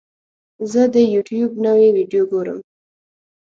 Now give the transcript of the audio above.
زه د یوټیوب نوې ویډیو ګورم.